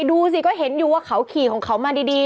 ดูสิก็เห็นอยู่ว่าเขาขี่ของเขามาดี